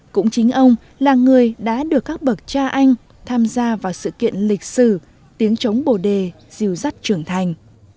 cũng chính ông là người đã được các bậc cha anh tham gia vào sự kiện lịch sử tiếng chống bồ đề diều dắt trưởng thành